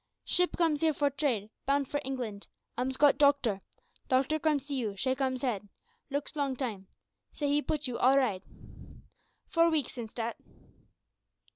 Ship comes here for trade, bound for England. Ams got doctor. Doctor come see you, shake ums head; looks long time; say he put you `all right.' Four week since dat.